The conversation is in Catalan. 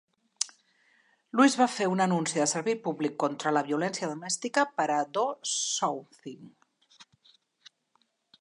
Lewis va fer un anunci de servei públic contra la violència domèstica per a Do Something.